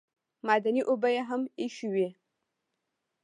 معدني اوبه هم ایښې وې.